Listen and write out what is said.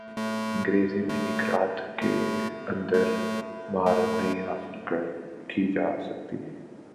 انگریزی میں ایک رات کے اندر مہارت نہیں حاصل کی جا سکتی